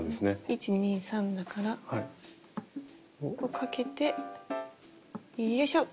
１２３だからここかけてよいしょ！